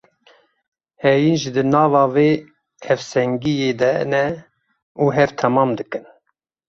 Heyîn jî di nava vê hevsengiyê de ne û hev temam dikin.